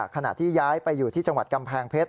ขณะที่ย้ายไปอยู่ที่จังหวัดกำแพงเพชร